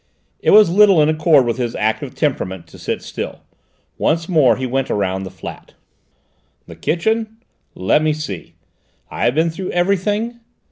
It was little in accord with his active temperament to sit still. Once more he went all round the flat. "The kitchen? Let me see: I have been through everything?